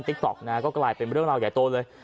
ต๊อกนะฮะก็กลายเป็นเรื่องราวใหญ่โตเลย